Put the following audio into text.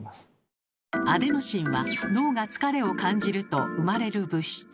アデノシンは脳が疲れを感じると生まれる物質。